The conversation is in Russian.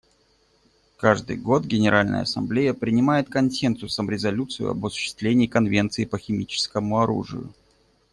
Каждый год Генеральная Ассамблея принимает консенсусом резолюцию об осуществлении Конвенции по химическому оружию.